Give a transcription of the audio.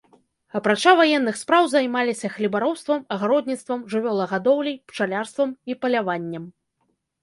Апрача ваенных спраў займаліся хлебаробствам, агародніцтвам, жывёлагадоўляй, пчалярствам і паляваннем.